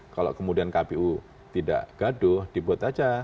kalau kemudian kpu tidak gaduh dibuat aja